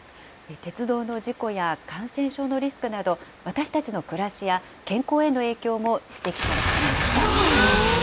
鉄道の事故や感染症のリスクなど、私たちの暮らしや健康への影響も指摘され始めました。